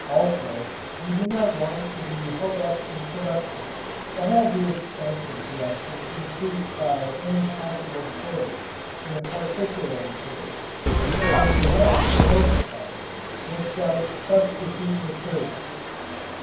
Also we do not want to be held up in production or have the expense of production increased by any possible shortage in a particular material, so we have for most parts worked out substitute materials.